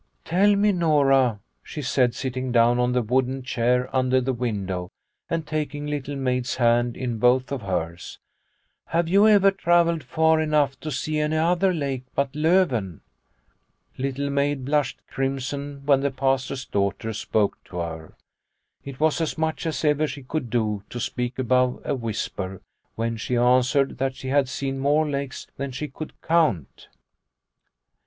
" Tell me, Nora," she said, sitting down on the wooden chair under the window and taking Little Maid's hand in both of hers, " have you ever travelled far enough to see any other lake but Loven ?'' Little Maid blushed crimson when the Pastor's daughter spoke to her. It was as much as ever she could do to speak above a whisper, when she answered that she had seen more lakes than she could count.